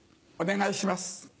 お願いします。